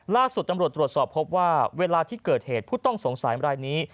ล่าสุดตำรวจตรวจสอบพบว่าเวลาที่เกิดเหตุผู้ต้องสงสัยรายนี้